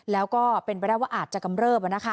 แล้วก็เป็นไปได้ว่าอาจจะกำเริบ